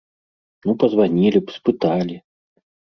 Ну пазванілі б, спыталі.